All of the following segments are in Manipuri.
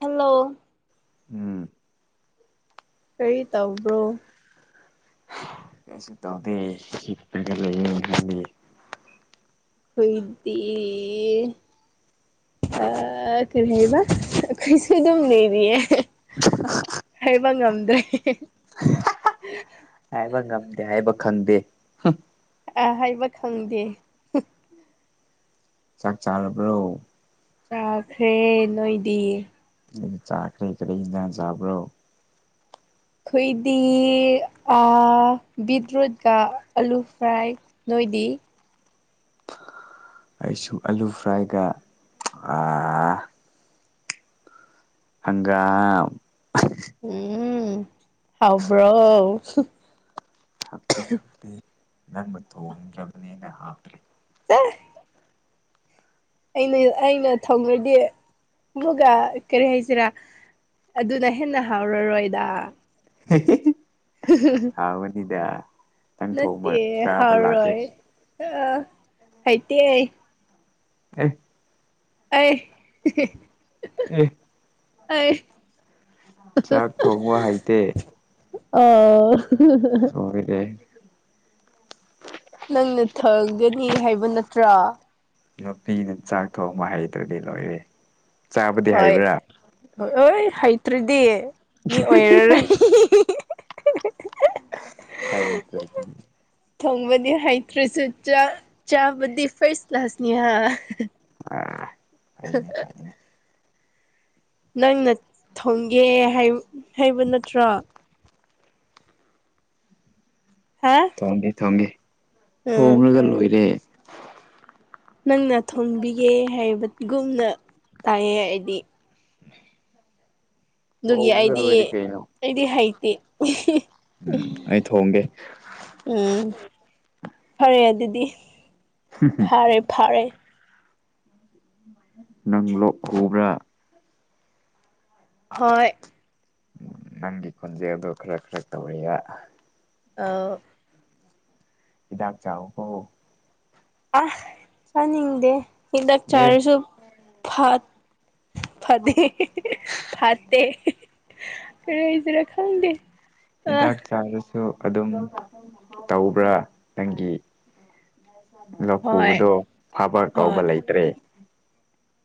ꯍꯜꯂꯣ ꯎꯝ ꯀꯔꯤ ꯇꯧꯕ꯭ꯔꯣ ꯀꯩꯁꯨ ꯇꯧꯗꯦ ꯍꯤꯠꯄꯒ ꯂꯩꯌꯦꯅ ꯈꯜꯂꯤ ꯐꯣꯏꯗꯤ ꯑ ꯀꯦꯕ ꯀꯩꯁꯨꯗꯝꯅꯔꯤ [inaudible] ꯍꯥꯏꯕ ꯉꯝꯗ꯭ꯔꯦ ꯍꯥꯏꯕ ꯉꯝꯗꯦ ꯍꯥꯏꯕ ꯈꯪꯗꯦ ꯑ ꯍꯥꯏꯕ ꯈꯪꯗꯦ ꯆꯥꯛ ꯆꯥꯔꯕ꯭ꯔꯣ ꯆꯥꯈ꯭ꯔꯦ ꯅꯣꯏꯗꯤ ꯑ ꯆꯥ ꯀꯔꯩ ꯀꯔꯩ ꯍꯤꯗꯥꯡ ꯆꯥꯕ꯭ꯔꯣ ꯈꯣꯏꯗꯤ ꯕꯤꯗ꯭ꯔꯨꯠꯀ ꯑꯂꯨ ꯐ꯭ꯔꯥꯏ ꯅꯣꯏꯗꯤ ꯑꯩ ꯁꯨꯝ ꯑꯂꯨ ꯐ꯭ꯔꯥꯏꯒ ꯍꯪꯒꯥ ꯎꯝ ꯍꯕ꯭ꯔꯣ ꯍꯥꯞꯇꯦ ꯍꯥꯞꯇꯦ ꯅꯪꯕꯨ ꯊꯣꯡꯗ꯭ꯔꯕꯅꯦꯅ ꯍꯥꯞꯇ꯭ꯔꯦ ꯑ ꯑꯩꯅ ꯑꯩꯅ ꯊꯧꯔꯗꯤ ꯑꯃꯒ ꯀꯔꯤ ꯍꯥꯏꯁꯤꯔꯥ ꯑꯗꯨꯅ ꯍꯦꯟꯅ ꯍꯥꯎꯔꯔꯣꯏꯗ [inaudible] [inaudible] ꯍꯅꯤꯗ ꯅꯠꯇꯦ ꯍꯥꯎꯔꯣꯏ ꯑ ꯍꯩꯇꯦ ꯑꯦ ꯑꯩ ꯑꯦ ꯑꯩ ꯆꯥꯛ ꯊꯣꯡꯕ ꯍꯩꯇꯦ ꯑꯣ ꯑꯣꯣꯏꯔ ꯅꯪꯅ ꯊꯝꯒꯅꯤ ꯍꯥꯏꯕ ꯅꯠꯇ꯭ꯔꯥ ꯅꯨꯄꯤꯅ ꯆꯥꯛ ꯊꯣꯡꯕ ꯍꯩꯇ꯭ꯔꯗꯤ ꯂꯣꯏꯔꯦ ꯆꯥꯕꯗꯤ ꯍꯩꯕ꯭ꯔꯥ ꯍꯣꯏ ꯍꯣꯏ ꯍꯩꯇ꯭ꯔꯗꯤ ꯃꯤ ꯑꯣꯏꯔꯔꯣꯏ ꯍꯇ‌꯭ꯔꯥꯗꯤ ꯊꯣꯡꯕꯗꯤ ꯍꯩꯇ꯭ꯔꯁꯨ ꯆꯥꯕꯗꯤ ꯐꯥꯔꯁ ꯀ꯭ꯂꯥꯁꯅꯤ [inaudible] ꯑꯥ ꯐꯩꯅꯦ ꯐꯩꯅꯦ ꯅꯪꯅ ꯊꯣꯡꯒꯦ ꯍꯥꯏꯕ ꯅꯠꯇ꯭ꯔꯣ ꯍꯥ ꯊꯣꯡꯒꯦ ꯊꯣꯡꯒꯦ ꯎꯝ ꯊꯣꯡꯉꯒ ꯂꯣꯏꯔꯦ ꯅꯪꯅ ꯊꯣꯡꯕꯤꯒꯦ ꯍꯥꯏꯕꯒꯨꯝꯅ ꯇꯥꯏꯌꯦ ꯍꯥꯏꯗꯤ ꯑꯗꯨꯒꯤ ꯊꯣꯡꯉꯒ ꯑꯩꯗꯤ ꯂꯣꯏꯔꯦ ꯀꯩꯅꯣ ꯑꯩꯗꯤ ꯍꯩꯇꯦ ꯎꯝ ꯑꯩ ꯊꯣꯡꯒꯦ ꯎꯝ ꯐꯔꯦ ꯑꯗꯨꯗꯤ ꯍꯝ ꯍꯨꯝ ꯐꯔꯦ ꯐꯔꯦ [inaudible] ꯅꯪ ꯂꯣꯛ ꯍꯕ꯭ꯔꯥ ꯍꯣꯏ ꯅꯪꯒꯤ ꯈꯨꯣꯟꯖꯦꯂ ꯑ ꯑꯗꯨ ꯈꯔ ꯈꯔ ꯇꯧꯔꯤꯌꯥ ꯑ ꯍꯤꯗꯥꯛ ꯆꯥꯎꯀꯣ ꯑꯍ ꯆꯥꯅꯤꯡꯗꯦ ꯍꯤꯗꯥꯛ ꯑꯦ ꯆꯥꯔꯁꯨ ꯐꯠ ꯐꯠꯇꯦ ꯐꯠꯇꯦ ꯀꯩ꫰ꯍꯥꯏꯁꯤꯔꯥ ꯈꯪꯒꯦ ꯍꯤꯗꯥꯛ ꯆꯥꯔꯁꯨ ꯑꯗꯨꯝ ꯇꯧꯕ꯭ꯔꯥ ꯅꯪꯒꯤ ꯂꯧ ꯍꯣꯏ ꯈꯨꯨꯕꯗꯣ ꯐꯕ ꯍꯣꯏ ꯀꯥꯎꯕ ꯂꯩꯇ꯭ꯔꯦ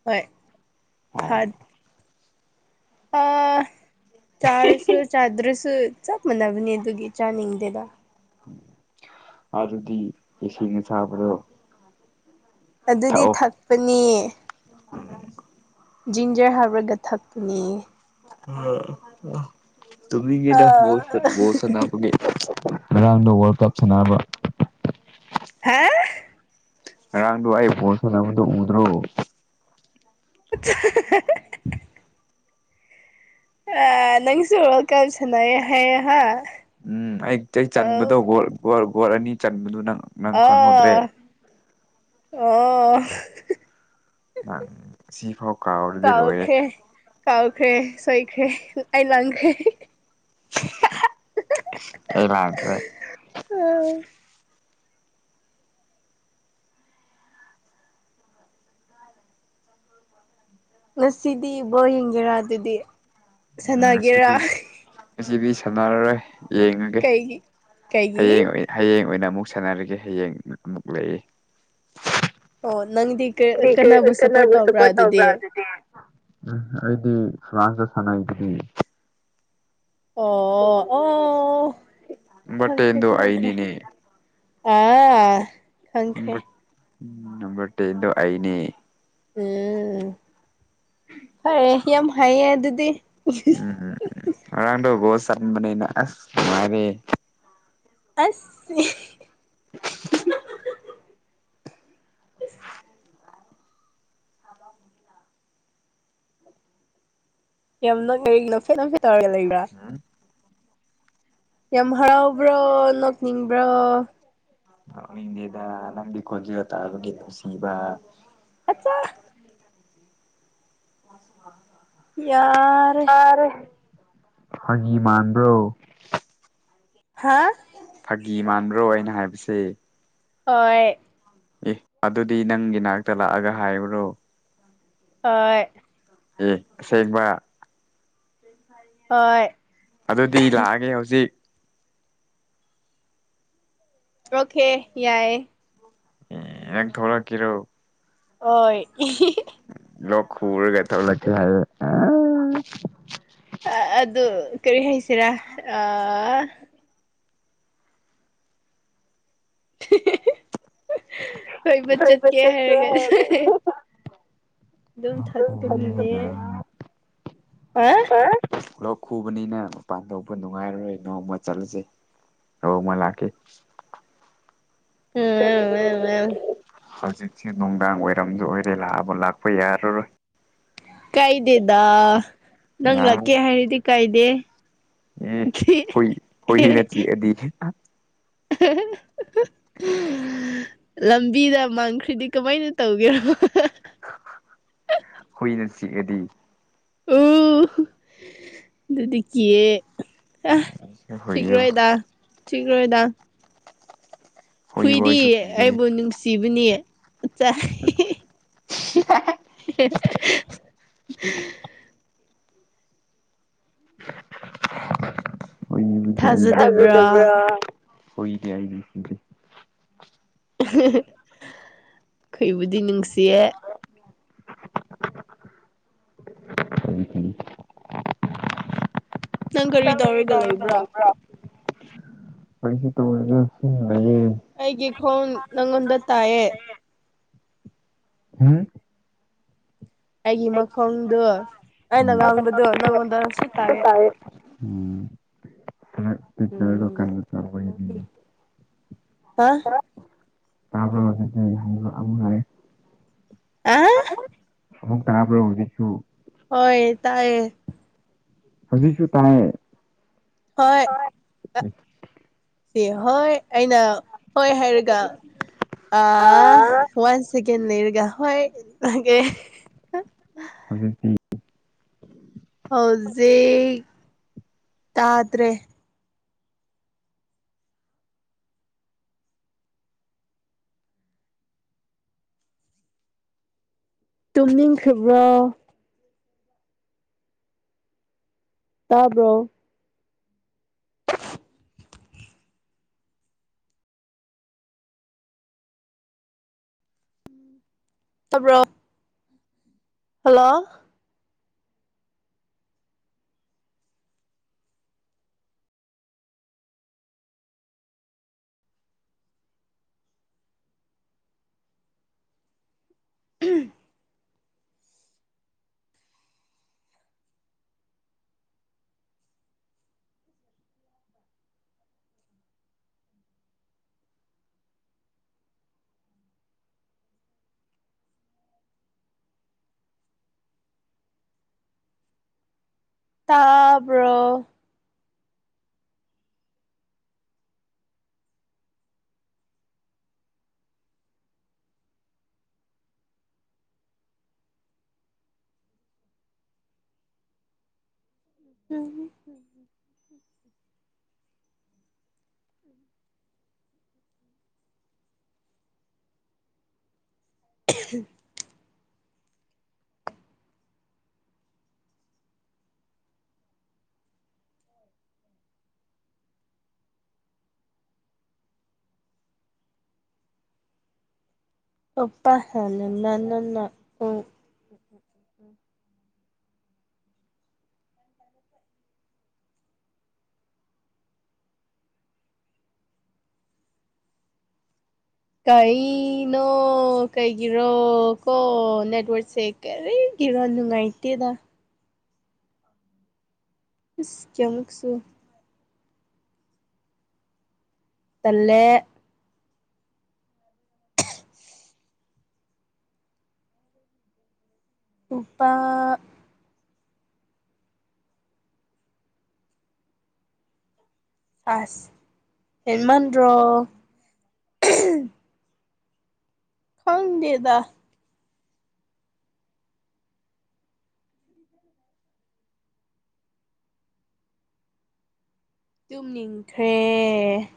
ꯍꯣꯏ ꯑꯣ ꯐꯠ ꯆꯥꯔꯁꯨ ꯆꯥꯗ꯭ꯔꯁꯨ ꯆꯞ ꯃꯥꯟꯅꯕꯅꯤ ꯑꯗꯨꯒꯤ ꯆꯥꯅꯤꯡꯗꯦꯗ ꯑꯗꯨꯗꯤ ꯏꯁꯤꯡꯅ ꯁꯥꯥꯕꯗꯣ ꯑꯗꯨꯗꯤ ꯊꯛꯄꯅꯦ ꯑ ꯖꯤꯟꯖꯔ ꯍꯥꯞꯕꯔꯒ ꯊꯛꯄꯅꯦ ꯑ ꯇꯃꯤꯒꯦꯅꯣ ꯁꯣꯁꯅꯄꯒꯦ ꯉꯔꯥꯡꯗ ꯋꯥꯔꯜ ꯀꯞ ꯁꯥꯟꯅꯕ ꯍꯥꯥ ꯔꯥꯡꯗꯨ ꯑꯩ ꯄꯣꯜ ꯁꯟꯅꯕꯗꯨ ꯎꯗ꯭ꯔꯣ [inaudible] ꯑ ꯅꯪꯁꯨ ꯋ [inaudible] ꯍꯥꯏꯌꯦ ꯍꯥ ꯎꯝ ꯑꯩ ꯑꯩ ꯆꯟꯕꯗꯣ ꯑꯧ ꯒꯣꯣꯔ ꯑꯅꯤ ꯆꯟꯕꯗꯨ ꯅꯪ ꯅꯪ ꯑ ꯈꯪꯍꯧꯗ꯭ꯔꯦ ꯑꯣ ꯅꯪ ꯁꯤꯐꯥꯎ ꯀꯥꯎꯔꯗꯤ ꯂꯣꯏꯔꯦ ꯀꯥꯎꯈ꯭ꯔꯦ ꯀꯥꯎꯈ꯭ꯔꯦ ꯁꯣꯏꯈ꯭ꯔꯦ ꯑꯩ ꯂꯪꯈ꯭ꯔꯦ ꯑꯦꯃꯇꯦ ꯎꯝ ꯉꯁꯤꯗꯤ ꯏꯕꯣ ꯌꯦꯡꯒꯦꯔꯥ ꯑꯗꯨꯗꯤ ꯎꯝ ꯁꯥꯟꯅꯒꯦꯔꯥ ꯉꯁꯤꯗꯤ ꯉꯁꯤꯗꯤ ꯁꯥꯟꯅꯔꯔꯣꯏ ꯌꯦꯡꯉꯒꯦ ꯀꯩꯒꯤ ꯀꯩꯒꯤ ꯍꯌꯦꯡ ꯍꯌꯦꯡ ꯑꯣꯏꯅ ꯑꯃꯨꯛ ꯁꯥꯟꯅꯔꯒꯦ ꯍꯌꯦꯡ ꯑꯃꯨꯛ ꯂꯩꯌꯦ ꯑꯣ ꯅꯪꯗꯤ ꯀꯅꯥꯕꯨ ꯁꯞꯄꯣꯔꯠ ꯀꯅꯥꯒ ꯇꯧꯕ꯭ꯔꯥ ꯑꯗꯨꯗꯤ ꯁꯄꯣꯠꯇꯕꯕ꯭ꯔꯥ ꯑꯗꯨꯗꯤꯦ ꯎꯝ ꯑꯩꯗꯤ ꯐ꯭ꯔꯥꯟꯁꯗ ꯁꯅꯗꯔꯤ ꯑꯣ ꯑꯣ ꯅꯝꯕꯔ ꯊꯪꯈ꯭ꯔꯦ ꯇꯦꯟꯗꯣ ꯊꯪꯈ꯭ꯔꯦ ꯑꯩꯅꯤꯅꯦ ꯑꯥ ꯝꯕꯔ ꯇ ꯑꯗꯨ ꯑꯅꯦ ꯎꯝ ꯐꯔꯦ ꯌꯥꯝ ꯍꯥꯏꯌꯦ ꯑꯗꯨꯗꯤ ꯎꯝꯝ ꯑꯔꯥꯡꯗꯣ ꯆ ꯃꯅꯤ ꯃꯥꯔ ꯑꯁ ꯌꯥꯝ ꯅꯪ ꯀꯔꯤ ꯅꯐꯦꯠꯣꯐꯦꯠ ꯇꯧꯔꯒ ꯂꯩꯕ꯭ꯔꯥ ꯎꯝ ꯌꯥꯝ ꯍꯔꯥꯎꯕ꯭ꯔꯣ ꯅꯣꯛꯅꯤꯡꯕ꯭ꯔꯣ ꯅꯗꯦꯗ ꯅꯪꯗꯤ ꯈꯣꯟꯖꯒ ꯇꯥꯕꯒꯤ ꯅꯨꯡꯁꯤꯕ ꯆꯆꯥ ꯌꯥꯔꯦ ꯍꯪꯒꯤꯤ ꯃꯥꯟꯕ꯭ꯔꯣ ꯍꯥꯥ ꯐꯥꯒꯤ ꯃꯥꯟꯕ꯭ꯔꯣ ꯑꯩꯅ ꯍꯥꯏꯕꯁꯦ ꯍꯣꯏ ꯑꯦ ꯑꯗꯨꯗꯤ ꯅꯪꯒꯤ ꯅꯥꯛꯇ ꯂꯥꯛꯑꯒ ꯍꯥꯏꯕꯨꯔꯣ ꯍꯣꯏ ꯑꯦ ꯑꯁꯦꯡꯕ ꯍꯣꯏ ꯑꯗꯨꯗꯤ ꯂꯥꯛꯑꯒꯦ ꯍꯧꯖꯤꯛ ꯑꯣꯀꯦ ꯌꯥꯏꯌꯦ ꯊꯧꯂ ꯀꯔꯣ ꯍꯣꯏ ꯂ ꯐꯔꯒ ꯊꯕ ꯂ ꯍꯥꯏꯦ ꯑꯗꯨ ꯀꯔꯤ ꯍꯥꯏꯁꯤꯔꯥ ꯀꯣꯏꯕ ꯆꯠꯀꯦ ꯍꯥꯏꯔꯒ ꯑꯗꯨꯝ ꯊꯠꯀꯅꯤꯅꯦ ꯑ ꯑꯦ ꯄꯨꯂꯣꯛ ꯈꯨꯕꯅꯤꯅ ꯃꯄꯥꯟ ꯊꯣꯛꯧꯕ ꯅꯨꯡꯉꯥꯏꯔꯔꯣꯏ ꯅꯣꯡꯃ ꯆꯠꯂꯁꯦ ꯅꯣꯡꯃ ꯂꯥꯛ꫰ꯀꯦ ꯎꯝ ꯍꯧꯖꯤꯛꯁꯦ ꯅꯨꯡꯗꯥꯡ ꯑꯣꯏꯔꯝꯁꯨ ꯑꯣꯏꯔꯦ ꯂꯥꯛꯑꯕ ꯂꯥꯛꯄ ꯌꯥꯔꯔꯣꯏ ꯀꯥꯏꯗꯦꯗ ꯅꯪ ꯂꯛꯀꯦ ꯌꯥꯔꯣꯏ ꯍꯥꯏꯔꯗꯤ ꯀꯥꯏꯗꯦ ꯑꯦ ꯍꯣꯏ ꯍꯣꯏ ꯍ ꯅ ꯆꯤꯑꯗꯤꯅꯦ [inaudible] ꯂꯝꯕꯤꯗ ꯃꯥꯡꯈ꯭ꯔꯤꯗꯤ ꯀꯃꯥꯏꯅ ꯇꯧꯒꯦꯔ ꯍꯨꯏꯅ ꯆꯤꯛꯑꯗꯤ ꯑꯣ ꯑꯗꯨꯗꯤ ꯀꯤꯌꯦ ꯍ ꯍꯨꯏꯗꯨ ꯆꯤꯛꯔꯣꯏꯗꯥꯛ ꯊꯤꯛꯔꯣꯏꯗ ꯍꯨꯏꯕꯨ ꯍꯨꯏꯗꯤ ꯑꯩꯁꯨ ꯀꯤꯌꯦ ꯑꯩꯕꯨ ꯅꯨꯡꯁꯤꯕꯅꯦ ꯎꯝ [inaudible] ꯑꯣꯏꯕꯨꯗꯤꯖꯗꯕ꯭ꯔꯥ ꯊꯥꯖꯗꯕ꯭ꯔꯥ ꯑꯣꯏꯣꯏ ꯀꯏ [unintelligible] ꯑꯩꯕꯨꯗꯤ ꯅꯨꯡꯁꯤꯌꯦ ꯅꯪ ꯀꯔꯤ ꯇ꯭ꯔꯥ [inaudible] ꯇꯧꯔꯒ ꯂꯩꯕ꯭ꯔꯥ ꯄꯩꯁ ꯇ ꯑꯣꯏꯒꯦ ꯑꯩꯒꯤ ꯈꯣꯡ ꯅꯪꯉꯣꯟꯗ ꯇꯥꯛꯑꯦ ꯍꯝ ꯑꯩꯒꯤ ꯃꯈꯣꯡꯗꯣ ꯑꯩꯅ ꯎꯝ ꯉꯥꯡꯕꯗꯣ ꯅꯪꯉꯣꯟꯗꯁꯨ ꯇꯥꯏ ꯎꯝ ꯈꯔ ꯄꯤꯛꯆꯔꯗꯣ ꯀꯟꯅ ꯎꯝꯃ ꯇꯧꯕꯒꯤꯅꯤ ꯑ ꯇꯥꯔꯦ ꯑ ꯇꯥꯄ ꯍꯧꯖꯤꯛꯁꯨ ꯍꯣꯏ ꯇꯥꯏꯌꯦ ꯍꯧꯖꯤꯛꯁꯨ ꯇꯥꯏ ꯍꯣꯏ ꯍꯣꯏ ꯁꯤ ꯍꯣꯏ ꯑꯩꯅ ꯍꯣꯏ ꯍꯥꯏꯔꯒ ꯑ ꯋꯥꯟ ꯁꯀꯔꯒ ꯍꯒꯦ ꯑꯗꯨꯗꯤ ꯍꯧꯖꯤꯛ ꯇꯥꯗ꯭ꯔꯦ ꯇꯨꯝꯅꯤꯡꯈ꯭ꯔꯕ꯭ꯔꯣ ꯇꯥꯕ꯭ꯔꯣ ꯇꯕ꯭ꯔꯣ ꯍꯜꯂꯣ ꯎꯝ ꯇꯥꯕ꯭ꯔꯣ ꯎꯝ [inaudible] ꯑꯣꯞꯄꯥ ꯍꯥꯏꯅꯅꯅ ꯎ ꯀꯩ ꯅꯣ ꯀꯩꯒꯤꯔꯣ ꯀꯣ ꯅꯦꯠꯋꯔꯛ ꯆꯦꯛ ꯀꯔꯤꯒꯤꯔꯣ ꯅꯨꯡꯉꯥꯏꯇꯦꯗ ꯀꯌꯥꯃꯨꯛꯁꯨ ꯇꯜꯂꯦ ꯎꯄꯥ ꯆꯥꯁ ꯍꯦꯦꯟꯃꯥꯟ꯭ꯔꯣ ꯈꯪꯗꯦꯗ ꯇꯨꯝꯅꯤꯡꯈ꯭ꯔꯦ